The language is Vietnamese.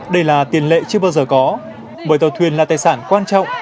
đây là tiền lệ chưa bao giờ có bởi tàu thuyền là tài sản quan trọng